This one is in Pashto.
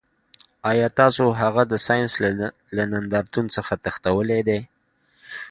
ایا تاسو هغه د ساینس له نندارتون څخه تښتولی دی